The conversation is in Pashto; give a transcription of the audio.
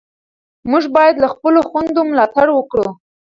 موږ باید له خپلو خویندو ملاتړ وکړو.